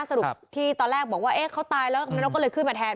สรุปที่ตอนแรกบอกว่าเอ๊ะเขาตายแล้วกำนกก็เลยขึ้นมาแทน